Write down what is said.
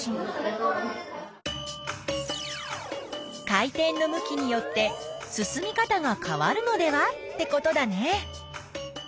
回転の向きによって進み方が変わるのではってことだね。